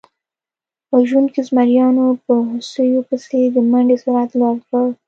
وژونکو زمریانو په هوسیو پسې د منډې سرعت لوړ کړ.